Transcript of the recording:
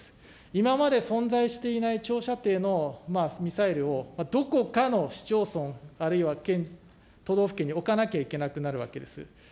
今まで存在していない長射程のミサイルを、どこかの市町村、あるいは都道府県に置かなきゃいけなくなるわけです。